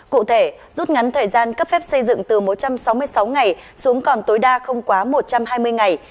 cụ thể rút ngắn thời gian cấp phép xây dựng từ một trăm sáu mươi sáu ngày xuống còn tối đa không quá một trăm hai mươi ngày